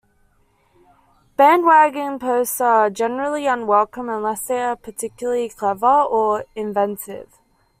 Bandwagon posts are generally unwelcome, unless they are particularly clever or inventive.